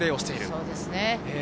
そうですね。